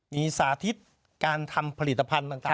มีสาธิตการทำผลิตภัณฑ์ต่าง